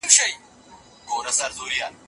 د ځوانانو د بوختيا ملاتړ يې کړی و.